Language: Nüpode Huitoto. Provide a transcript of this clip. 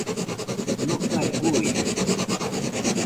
Nokae buidesa